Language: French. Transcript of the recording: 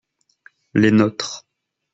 Les nôtres.